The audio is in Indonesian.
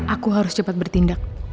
aku harus cepat bertindak